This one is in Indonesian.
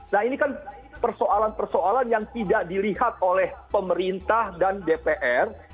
nah ini kan persoalan persoalan yang tidak dilihat oleh pemerintah dan dpr